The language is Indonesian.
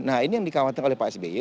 nah ini yang dikhawatirkan oleh pak sby